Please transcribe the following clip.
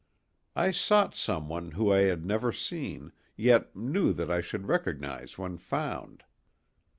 I sought someone whom I had never seen, yet knew that I should recognize when found.